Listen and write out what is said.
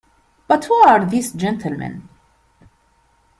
But who are these gentlemen?